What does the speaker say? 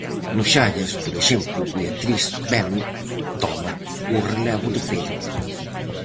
No Xallas, por exemplo, Beatriz Velo toma o relevo de Pedro.